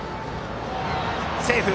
セーフ。